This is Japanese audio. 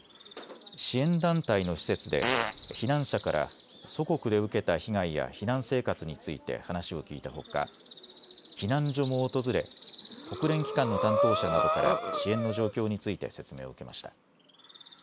支援団体の施設で避難者から祖国で受けた被害や避難生活について話を聞いたほか避難所も訪れ、国連機関の担当者などから支援の状況について説明を受けました。